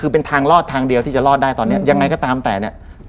คือเป็นทางรอดทางเดียวที่จะรอดได้ตอนนี้ยังไงก็ตามแต่เนี่ย